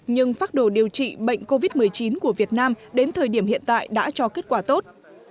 nhưng phác đồ điều trị bệnh covid một mươi chín của việt nam đến thời điểm hiện tại đã cho kết quả tốt